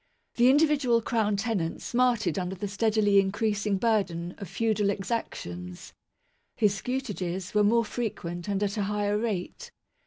The individual Crown tenant smarted under the steadily increasing burden of feudal ^exactions. His scutages were more frequent and at a higher rate.